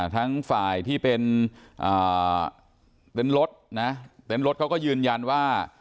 ทั้งฝ่ายที่เป็นเต็นต์รถนะเต็นต์รถเขาก็ยืนยันว่า